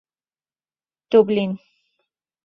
دوبلین